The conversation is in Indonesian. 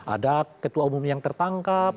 ada ketua umum yang tertangkap